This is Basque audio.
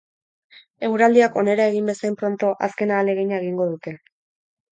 Eguraldiak onera egin bezain pronto azken ahalegina egingo dute.